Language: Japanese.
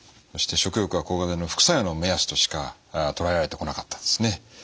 そして食欲は抗がん剤の副作用の目安としかとらえられてこなかったんですね。